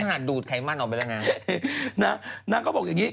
นางก็บอกอย่างนี้